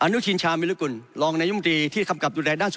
อนุชิอนชามิลกุล